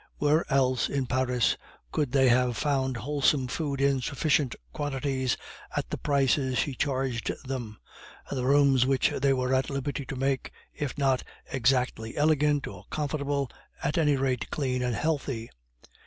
Where else in Paris would they have found wholesome food in sufficient quantity at the prices she charged them, and rooms which they were at liberty to make, if not exactly elegant or comfortable, at any rate clean and healthy?